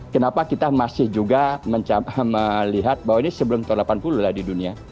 kenapa kita masih juga melihat bahwa ini sebelum tahun delapan puluh lah di dunia